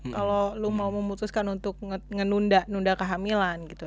kalau lo mau memutuskan untuk menunda nunda kehamilan gitu